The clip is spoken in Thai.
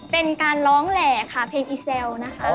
เป็นการร้องแหล่ค่ะเพลงอีแซวนะคะ